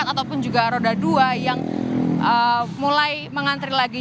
ataupun juga roda dua yang mulai mengantri lagi